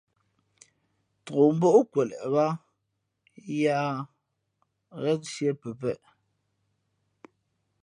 Tōk mbók kweleʼ bāā yā ghén siē pəpēʼ.